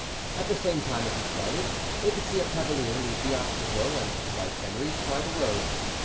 At the same time as he started, they could see a cavalier leave the opposite hill, and, like Henry, try the road.